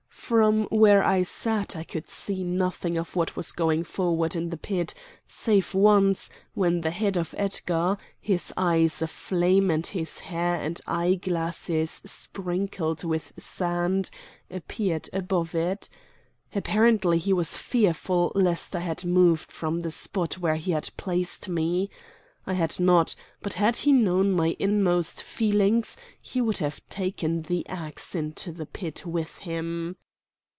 From where I sat I could see nothing of what was going forward in the pit, save once, when the head of Edgar, his eyes aflame and his hair and eye glasses sprinkled with sand, appeared above it. Apparently he was fearful lest I had moved from the spot where he had placed me. I had not; but had he known my inmost feelings he would have taken the axe into the pit with him.